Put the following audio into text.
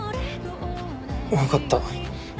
分かった。